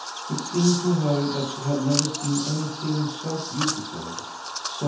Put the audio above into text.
It seemed to her that she had never seen anything so beautiful.